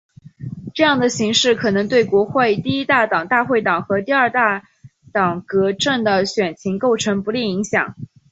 这样的形势可能对国会第一大党大会党和第二大党革阵的选情构成不利影响。